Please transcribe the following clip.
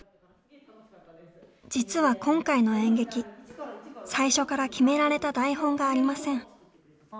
実は今回の演劇最初から決められた台本がありません。